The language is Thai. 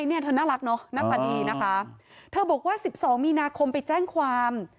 ใช่เธอน่ารักเนาะนักบรรดีนะคะเธอบอกว่า๑๒มีนาคมไปแจ้งความ